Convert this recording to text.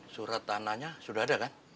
surat tanahnya sudah ada kan